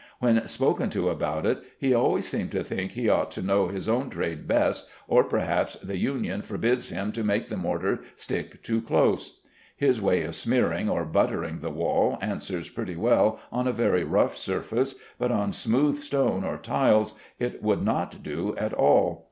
When spoken to about it he always seemed to think he ought to know his own trade best, or perhaps the Union forbids him to make the mortar stick too close. His way of smearing or buttering the wall answers pretty well on a very rough surface, but on smooth stone or tiles it would not do at all.